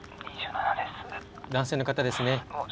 男性の方ですね。